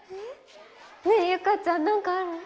ねえ結佳ちゃん何かある？